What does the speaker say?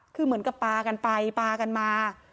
คือเหมือนกับปลากันไปปลากันมา